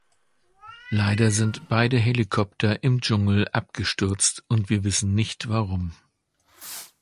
Leider sind beide Helikopter im Dschungel abgestürzt und wir wissen nicht warum.